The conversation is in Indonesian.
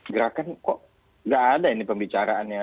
gerakan kok nggak ada ini pembicaraannya